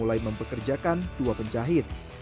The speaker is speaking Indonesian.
dan mempekerjakan dua penjahit